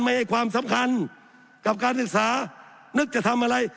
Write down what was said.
ให้ความสำคัญกับการศึกษานึกจะทำอะไร